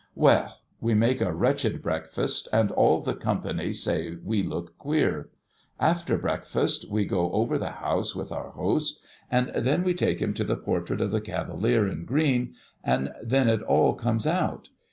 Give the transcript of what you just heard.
Well ! we make a wretched breakfast, and all the company say we look queer. After breakfast, we go over the house with our host, and then we take him to the portrait of the cavalier in green, and then it all comes out.